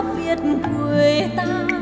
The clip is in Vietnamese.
việt người ta